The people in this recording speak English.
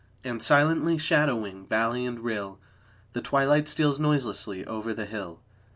And, silently shadowing valley and rill, The twilight steals noiselessly over the hill.